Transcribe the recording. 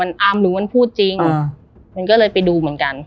มันอำหรือมันพูดจริงมันก็เลยไปดูเหมือนกัน